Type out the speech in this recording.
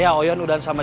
ya udah dia sudah selesai